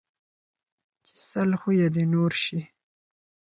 ـ چې سل خويه د نور شي